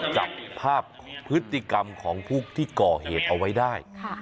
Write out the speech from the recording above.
จับภาพพฤติกรรมของผู้ที่ก่อเหตุเอาไว้ได้